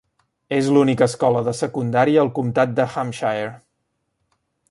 És l'única escola de secundària al comtat de Hampshire.